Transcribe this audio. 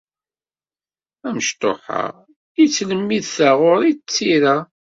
Amecṭuḥ-a yettlemmid taɣuri d tira.